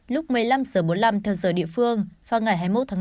lúc một mươi năm h bốn mươi năm theo giờ địa phương vào ngày hai mươi một tháng năm